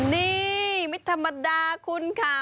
นี่ไม่ธรรมดาคุณค่ะ